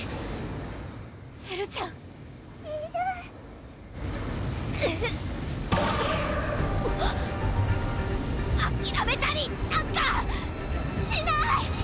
エルちゃんえるクッあきらめたりなんかしない！